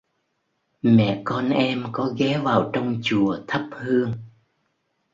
Mẹ con em có ghé vào trong chùa thắp hương